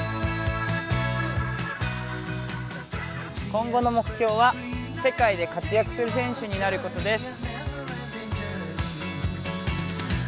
今後の目標は世界で活躍する選手になることです。